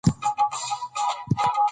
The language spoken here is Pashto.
د ژوند نښې د سانتیاګو لار روښانه کوي.